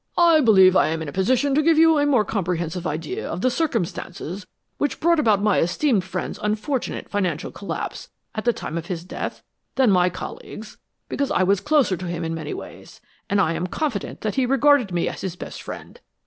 "I believe I am in a position to give you a more comprehensive idea of the circumstances which brought about my esteemed friend's unfortunate financial collapse at the time of his death than my colleagues, because I was closer to him in many ways, and I am confident that he regarded me as his best friend.